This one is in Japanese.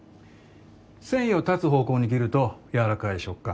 繊維を断つ方向に切るとやわらかい触感。